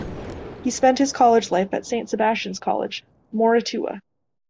He spent his College life at Saint Sebastian's College, Moratuwa.